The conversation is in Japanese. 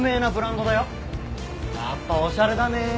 やっぱおしゃれだねえ。